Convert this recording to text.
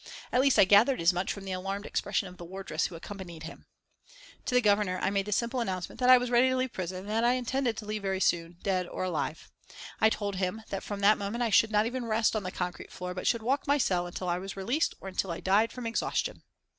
At least I gathered as much from the alarmed expression of the wardress who accompanied him. To the Governor I made the simple announcement that I was ready to leave prison and that I intended to leave very soon, dead or alive. I told him that from that moment I should not even rest on the concrete floor, but should walk my cell until I was released or until I died from exhaustion.